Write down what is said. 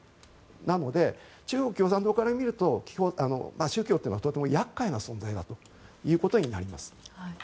なので、中国共産党から見ると宗教というのはとても厄介な存在だということになります。